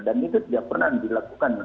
dan itu tidak pernah dilakukan